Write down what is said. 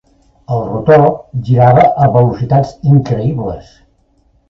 El rotor girava a velocitats increïbles.